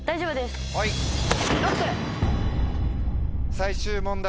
最終問題